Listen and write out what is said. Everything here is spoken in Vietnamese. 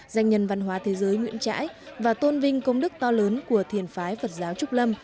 danh nhân văn hóa thế giới nguyễn trãi và tôn vinh công đức to lớn của thiền phái phật giáo trúc lâm